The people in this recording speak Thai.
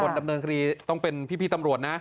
ดำเนินคดีต้องเป็นพี่ตำรวจนะ